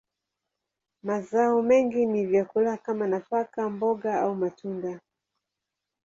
Mazao mengi ni vyakula kama nafaka, mboga, au matunda.